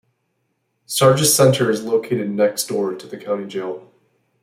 Sargus Center is located next door to the county jail.